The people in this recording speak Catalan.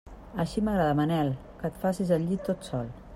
Així m'agrada, Manel, que et facis el llit tot sol.